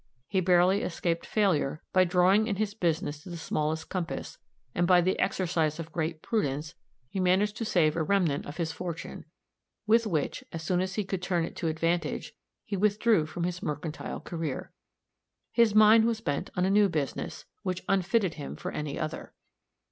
He barely escaped failure by drawing in his business to the smallest compass, and, by the exercise of great prudence, he managed to save a remnant of his fortune, with which, as soon as he could turn it to advantage, he withdrew from his mercantile career. His mind was bent on a new business, which unfitted him for any other.